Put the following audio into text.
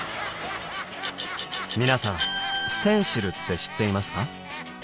皆さんステンシルって知っていますか？